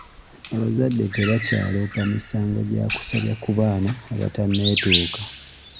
Abazadde tebakyaloopa misango gya kusobya ku baana abatanneetuuka.